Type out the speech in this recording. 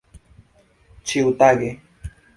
ĉiutage